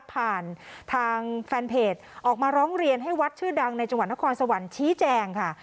ผ่านทางแฟนเพจออกมาร้องเรียนให้วัดชื่อดังในจังหวัดนครสวรรค์ชี้แจงค่ะ